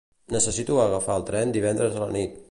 Necessito agafar el tren divendres a la nit.